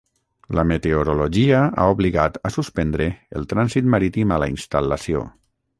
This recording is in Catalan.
La meteorologia ha obligat a suspendre el trànsit marítim a la instal·lació.